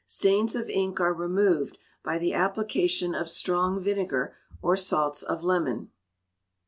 Stains of ink are removed by the application of strong vinegar, or salts of lemon.